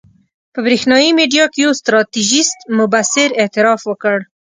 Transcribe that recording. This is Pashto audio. په برېښنایي میډیا کې یو ستراتیژیست مبصر اعتراف وکړ.